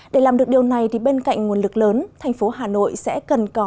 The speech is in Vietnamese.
để làm được điều này thì bên cạnh nguồn lực lớn thành phố hà nội sẽ cần có